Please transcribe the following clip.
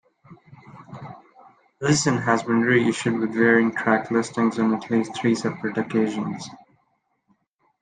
"Listen" has been re-issued with varying track listings on at least three separate occasions.